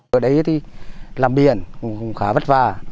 ở đây thì làm biển cũng khá vất vả